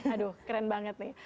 aduh keren banget nih